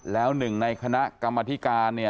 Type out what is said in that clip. แล้วหนึ่งในคณะกรรมธิการ